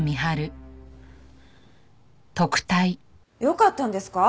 よかったんですか？